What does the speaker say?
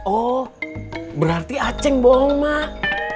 oh berarti aceh bohong mah